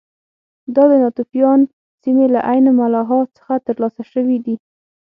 دا د ناتوفیان سیمې له عین ملاحا څخه ترلاسه شوي دي